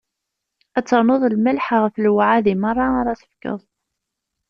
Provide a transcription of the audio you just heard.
Ad ternuḍ lmelḥ ɣef lewɛadi meṛṛa ara tefkeḍ.